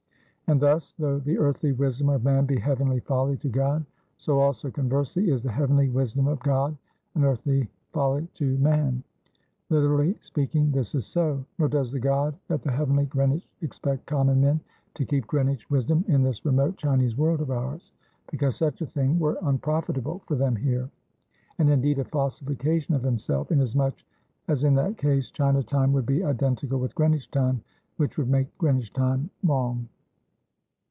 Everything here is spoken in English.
And thus, though the earthly wisdom of man be heavenly folly to God; so also, conversely, is the heavenly wisdom of God an earthly folly to man. Literally speaking, this is so. Nor does the God at the heavenly Greenwich expect common men to keep Greenwich wisdom in this remote Chinese world of ours; because such a thing were unprofitable for them here, and, indeed, a falsification of Himself, inasmuch as in that case, China time would be identical with Greenwich time, which would make Greenwich time wrong.